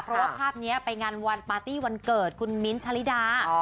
เพราะว่าภาพนี้ไปงานวันปาร์ตี้วันเกิดคุณมิ้นท์ชะลิดา